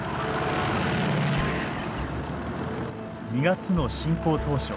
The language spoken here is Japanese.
２月の侵攻当初。